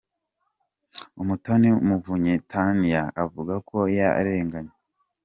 Umutoni Muvunyi Tania avuga ko yarenganye.